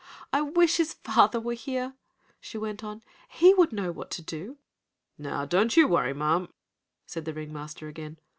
"I wish his father were here," she went on. "He would know what to do." "Now don't you worry, ma'am," said the ring master again.